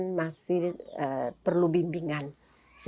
kemudian memanfaatkan dengan kompetensi